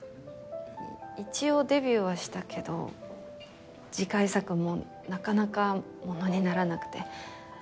一応デビューはしたけど次回作もなかなかものにならなくて。